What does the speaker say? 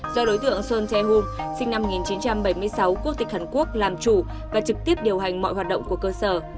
do đối tượng sơn chay hum sinh năm một nghìn chín trăm bảy mươi sáu quốc tịch hàn quốc làm chủ và trực tiếp điều hành mọi hoạt động của cơ sở